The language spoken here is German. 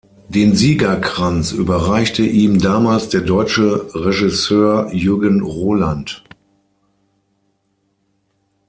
Den Siegerkranz überreichte ihm damals der deutsche Regisseur Jürgen Roland.